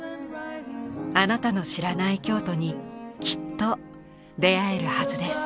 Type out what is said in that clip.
あなたの知らない京都にきっと出会えるはずです。